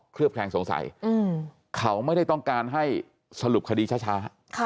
เขาไม่ได้ต้องการให้สรุปคดีช้า